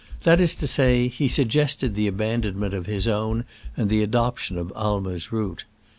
That is to say, he suggest ed the abandonment of his own and the adoption of Aimer's route.